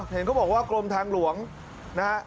เห็นเขาบอกว่ากรมทางหลวงนะฮะ